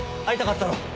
会いたかったろ？